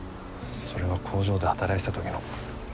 それは工場で働いてた時の。